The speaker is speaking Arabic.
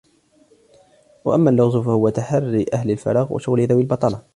وَأَمَّا اللُّغْزُ فَهُوَ تَحَرِّي أَهْلِ الْفَرَاغِ وَشُغْلُ ذَوِي الْبَطَالَةِ